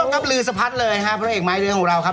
คุณสมครับลื้อสะพันเลยพระเอกไม้เรือยของเรา